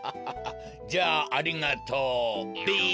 じゃあありがとうべ。